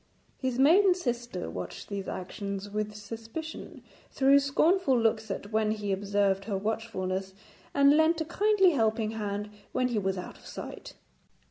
His maiden sister watched these actions with suspicion, threw scornful looks at when he observed her watchfulness, and lent a kindly helping hand when he was out of sight.